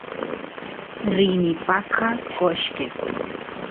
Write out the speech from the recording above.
rini paqa qoshqet